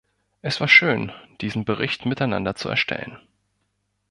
Es war schön, diesen Bericht miteinander zu erstellen.